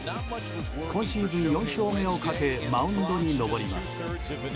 今シーズン４勝目をかけマウンドに登ります。